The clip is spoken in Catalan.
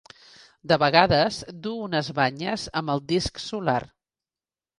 De vegades duu unes banyes amb el disc solar.